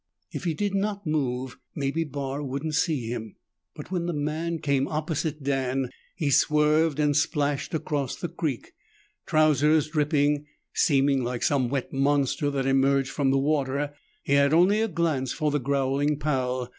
If he did not move, maybe Barr wouldn't see him. But when the man came opposite Dan, he swerved and splashed across the creek. Trousers dripping, seeming like some wet monster that emerged from the water, he had only a glance for the growling Pal.